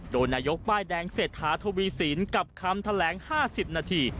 โดยนายกป้ายแดงเศรษฐาทวีสินกับคำแถลง๕๐นาที